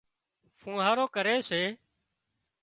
ڦوهارو ڪري سي